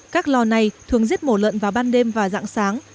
các lò này thường giết mổ lợn vào ban đêm và dạng sáng